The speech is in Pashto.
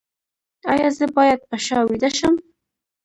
ایا زه باید په شا ویده شم؟